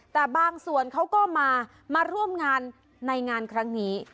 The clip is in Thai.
แต่บางส่วนเขาก็มาร่วมงานในงานครั้งนี้